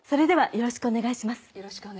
よろしくお願いします。